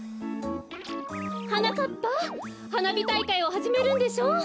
はなかっぱはなびたいかいをはじめるんでしょう？